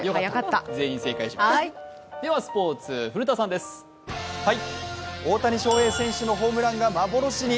ではスポーツ、古田さんです大谷翔平選手のホームランが幻に。